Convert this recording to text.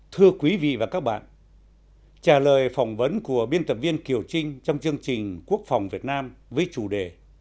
thưa quý vị và các bạn trả lời phỏng vấn của biên tập viên kiều trinh trong chương trình quốc phòng việt nam với chủ đề